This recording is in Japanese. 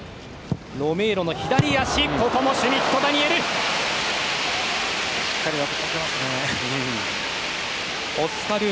ロメーロの左足ここもシュミット・ダニエル！